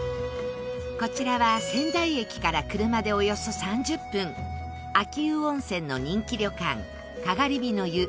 こちらは、仙台駅から車で、およそ３０分秋保温泉の人気旅館篝火の湯